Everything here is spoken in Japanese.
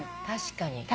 確かに。